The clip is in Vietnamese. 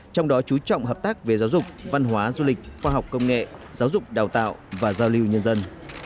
trong đó chú trọng hợp tác về giáo dục văn hóa du lịch khoa học công nghệ giáo dục đào tạo và giao lưu nhân dân